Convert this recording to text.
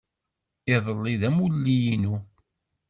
Iḍelli d amulli-inu.